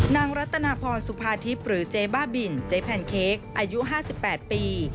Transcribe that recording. นางรัตนาพรสุภาธิปหรือเจ้าบ้าบินเจ้าแพนเค้กอายุ๕๘ปี